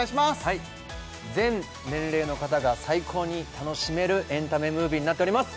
はい全年齢の方が最高に楽しめるエンタメムービーになっております